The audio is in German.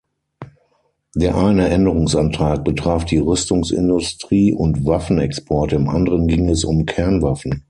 Der eine Änderungsantrag betraf die Rüstungsindustrie und Waffenexporte, im anderen ging es um Kernwaffen.